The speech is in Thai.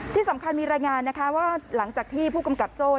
ที่สำคัญมีรายงานนะคะว่าหลังจากที่ผู้กำกับโจ้